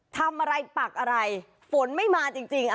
ทำอะไรปักอะไรฝนไม่มาจริง